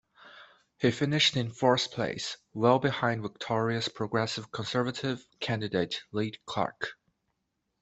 He finished in fourth place, well behind victorious Progressive Conservative candidate Lee Clark.